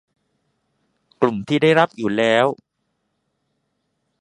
กลุ่มที่ได้รับอยู่แล้ว